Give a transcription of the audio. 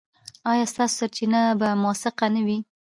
ایا ستاسو سرچینه به موثقه نه وي؟